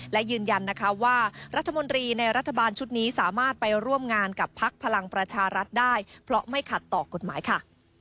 และยืนยันนะคะว่ารัฐมนตรีในรัฐบาลชุดนี้สามารถไปร่วมงานกับพักพลังประชารัฐได้เพราะไม่ขัดต่อกฎหมายค่ะ